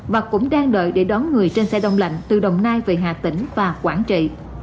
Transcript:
và cũng đang đợi để đón người trên xe đông lạnh từ đồng nai về hà tĩnh và quảng trị